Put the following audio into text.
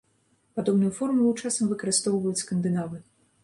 Падобную формулу часам выкарыстоўваюць скандынавы.